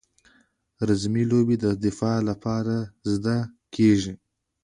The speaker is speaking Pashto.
رزمي لوبې د دفاع لپاره زده کیږي.